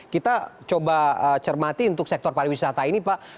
kita coba cermati untuk sektor pariwisata ini pak